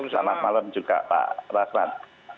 selamat malam juga pak rasman